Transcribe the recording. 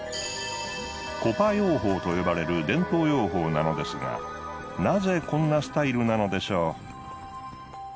コパ養蜂と呼ばれる伝統養蜂なのですがなぜこんなスタイルなのでしょう？